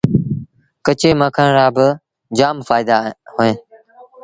ڪچي مکڻ رآ با جآم ڦآئيدآ اوهيݩ